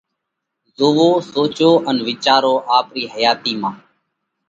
زوئو، سوچو ان وِيچارو آپرِي حياتِي مانه!